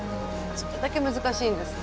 それだけ難しいんですね。